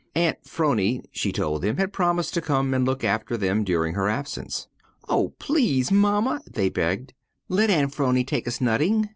Aunt 'Phrony, she told them, had promised to come and look after them during her absence. "Oh, please, mamma," they begged, "let Aunt 'Phrony take us nutting?